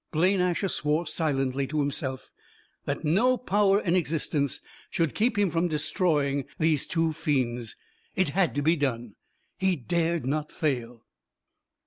Blaine Asher swore silently to himself that no power in existence should keep him from destroying these two fiends. It had to be done! He dared not fail.